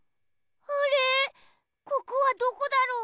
ここはどこだろう？